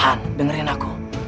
an dengerin aku